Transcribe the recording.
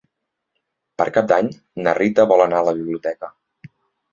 Per Cap d'Any na Rita vol anar a la biblioteca.